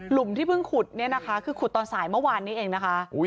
ที่เพิ่งขุดเนี่ยนะคะคือขุดตอนสายเมื่อวานนี้เองนะคะ